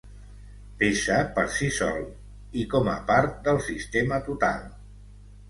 Pesa per si sol, i com a part del sistema total.